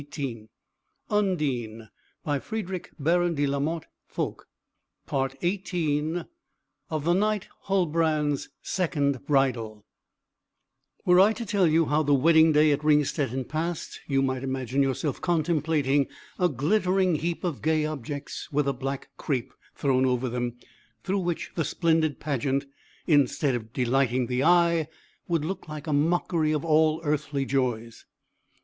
The end of this was, that their plans remained unchanged. XVIII. OF THE KNIGHT HULDBRAND'S SECOND BRIDAL Were I to tell you how the wedding day at Ringstetten passed, you might imagine yourself contemplating a glittering heap of gay objects, with a black crape thrown over them, through which the splendid pageant, instead of delighting the eye, would look like a mockery of all earthly joys.